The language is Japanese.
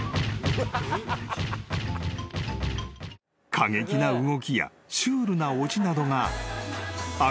［過激な動きやシュールなオチなどが］